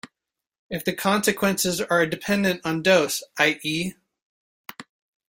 If the consequences are dependent on dose, ie.